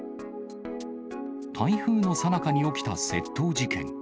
台風のさなかに起きた窃盗事件。